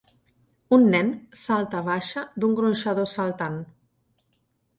Un nen salta baixa d'un gronxador saltant.